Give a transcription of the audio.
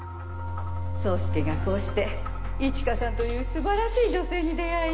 宗介がこうして一華さんという素晴らしい女性に出会い